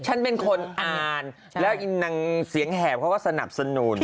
ฉันเป็นคนอ่านแล้วเสียงแหบเขาก็สนับสนุน